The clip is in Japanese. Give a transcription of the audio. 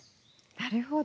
なるほど。